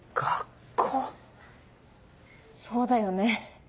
そうだよね